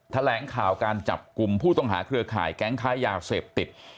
แถลงข่าวการจับกลุ่มผู้ต้องหาเครือข่ายแก๊งค้ายาเสพติด